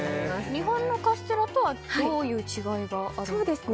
日本のカステラとはどういう違いがあるんですか。